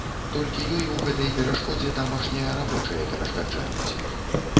Толькі ёй у гэтай перашкодзе тамашнія рабочыя перашкаджаюць.